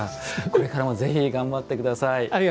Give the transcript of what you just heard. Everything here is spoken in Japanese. これからもぜひ頑張ってください。